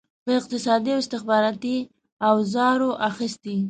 په اقتصادي او استخباراتي اوزارو اخیستي.